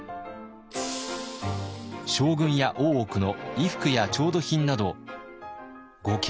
将軍や大奥の衣服や調度品など合計